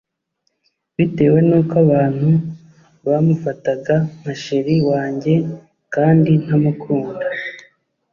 bitewe nuko abantu bamufataga nka chr wanjye kandi ntamukunda